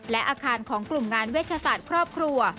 และอาคารของกลุ่มงานเวชศาสตร์ครอบครัว